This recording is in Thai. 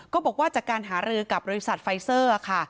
บอกว่าจากการหารือกับบริษัทไฟเซอร์ค่ะ